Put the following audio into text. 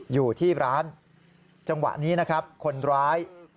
อยู่ที่ร้านจังหวะนี้นะครับคนร้าย